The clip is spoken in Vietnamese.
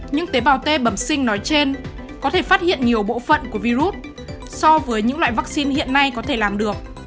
những tế bào t bẩm sinh nói trên có thể phát hiện nhiều bộ phận của virus so với những loại vaccine hiện nay có thể làm được